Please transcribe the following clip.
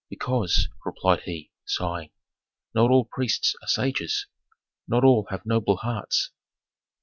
"Because," replied he, sighing, "not all priests are sages, not all have noble hearts."